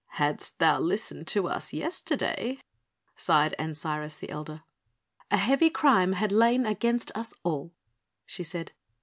"Hadst thou listened to us yesterday ..." sighed Ancyrus, the elder. "A heavy crime had lain against us all," she said.